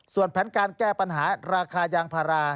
ส่วนแผนการแก้ปัญหาราคายางพารา